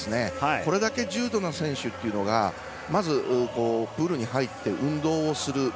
これだけ重度の選手っていうのがまず、プールに入って運動をする。